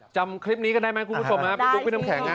จำคลิปนี้ก็ได้ไหมคุณผู้ชมครับปีน้องแข็งน่ะ